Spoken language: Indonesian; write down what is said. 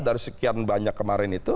dari sekian banyak kemarin itu